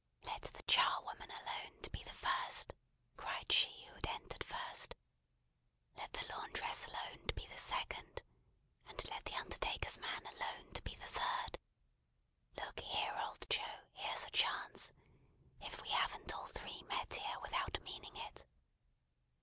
"Let the charwoman alone to be the first!" cried she who had entered first. "Let the laundress alone to be the second; and let the undertaker's man alone to be the third. Look here, old Joe, here's a chance! If we haven't all three met here without meaning it!"